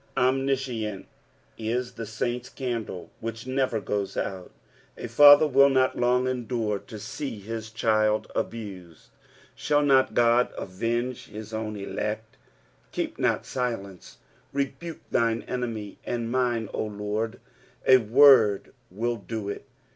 Omniscience is the Raint's candle which never goes oat. A father will not long endure to see his child abused. BhsU not God arenge his own elect? " xiap not tiUnix." Rebuke thine enemies and mine, O Lord. A word will do it.